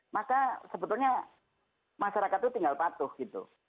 maka sebetulnya masyarakat itu tinggal patuh gitu